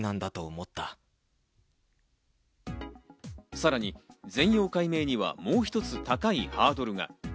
さらに全容解明にはもう一つ、高いハードルが。